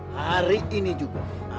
hari ini juga